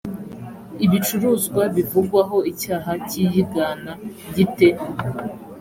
ibicuruzwa bivugwaho icyaha cy iyigana gite